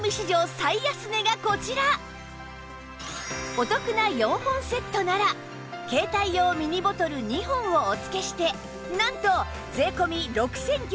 お得な４本セットなら携帯用ミニボトル２本をお付けしてなんと税込６９８０円